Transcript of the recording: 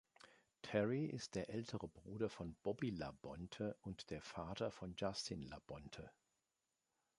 Terry ist der ältere Bruder von Bobby Labonte und der Vater von Justin Labonte.